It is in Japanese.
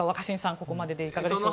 ここまででいかがでしょうか。